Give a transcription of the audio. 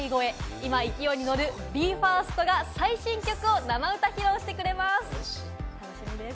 今、勢いに乗るＢＥ：ＦＩＲＳＴが最新曲を生歌披露します。